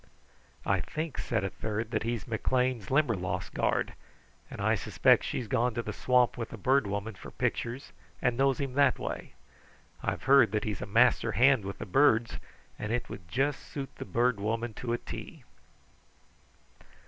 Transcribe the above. "I think," said a third, "that he's McLean's Limberlost guard, and I suspect she's gone to the swamp with the Bird Woman for pictures and knows him that way. I've heard that he is a master hand with the birds, and that would just suit the Bird Woman to a T."